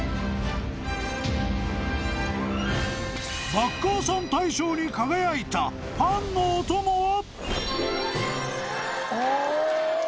［バッカーさん大賞に輝いたパンのお供は］